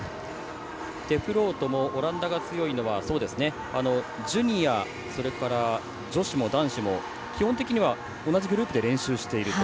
デフロートもオランダが強いのはジュニア、それから女子も男子も基本的には同じグループで練習していると。